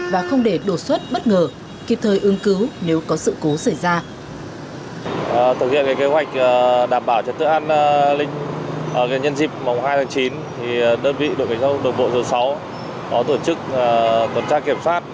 và không để đột xuất bất ngờ kịp thời ương cứu nếu có sự cố xảy ra